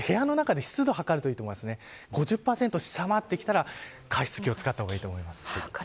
部屋の中で湿度を測ると５０％を下回ってきたら加湿器を使った方がいいと思います。